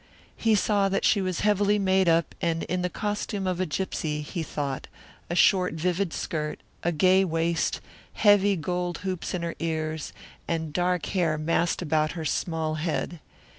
He saw that she was heavily made up and in the costume of a gypsy, he thought, a short vivid skirt, a gay waist, heavy gold hoops in her ears, and dark hair massed about her small head.